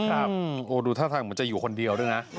ดูท่าทางเหมือนจะอยู่คนเดียวด้วยนะ